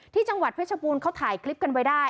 ที่จังหวัดเพชรบูรณ์เขาถ่ายคลิปกันไว้ได้